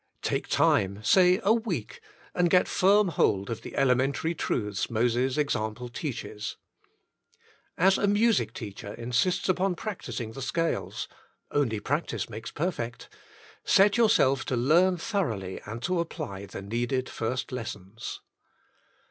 Take time, say a week, and get firm hold of the elementary truths Moses' example teaches. As a music teacher insists upon practising the scales — only practice makes perfect — set yourself to learn thoroughly and to apply the needed first lessons.